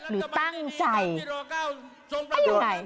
หรือตั้งใจไอเงี่ยไหน